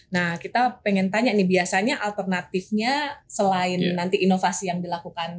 nah kita pengen tanya nih biasanya alternatifnya selain nanti inovasi yang dilakukan